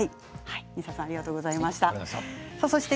西田さんありがとうございました。